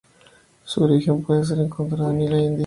Su origen puede ser encontrado en la India.